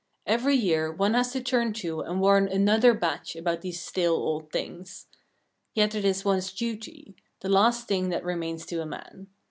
Every year one has to turn to and warn another batch about these stale old things. Yet it is one's duty the last thing that remains to a man.